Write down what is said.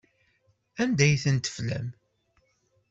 Anda ay tent-teflam?